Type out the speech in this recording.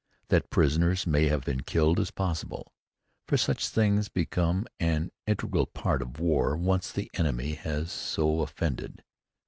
That prisoners may have been killed is possible, for such things become an integral part of war once the enemy has so offended.